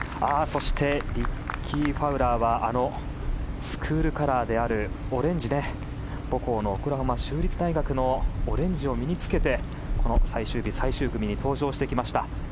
そしてリッキー・ファウラーはあのスクールカラーであるオレンジ母校のオクラホマ州立大学のオレンジを身に着けて最終日、最終組に登場してきました。